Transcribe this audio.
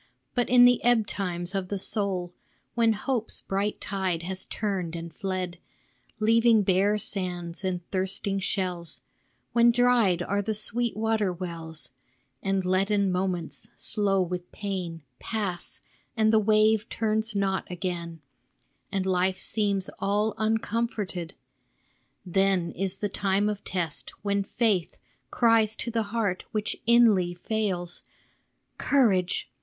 But in the ebb times of the soul, When Hope's bright tide has turned and fled, Leaving bare sands and thirsting shells. LIFT UP YOUR HEARTS 167 When dried are the sweet water wells, And leaden moments, slow with pain, Pass, and the wave turns not again, And life seems all uncomforted, Then is the time of test, when Faith Cries to the heart which inly fails :" Courage